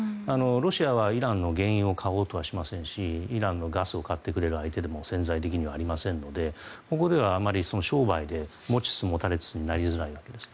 ロシアはイランの原油を買おうとはしませんしイランのガスを買ってくれる相手でも潜在的にはありませんのでここではあまり商売で持ちつ持たれつになりづらいわけです。